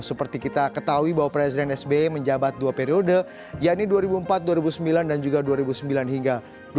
seperti kita ketahui bahwa presiden sbi menjabat dua periode yaitu dua ribu empat dua ribu sembilan dan juga dua ribu sembilan hingga dua ribu sembilan belas